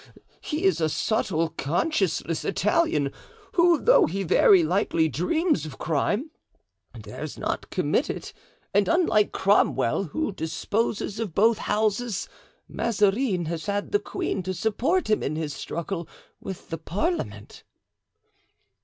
He is a subtle, conscienceless Italian, who though he very likely dreams of crime, dares not commit it; and unlike Cromwell, who disposes of both Houses, Mazarin has had the queen to support him in his struggle with the parliament."